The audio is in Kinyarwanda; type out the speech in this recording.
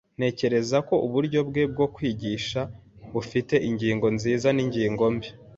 Ntekereza ko uburyo bwe bwo kwigisha bufite ingingo nziza ningingo mbi.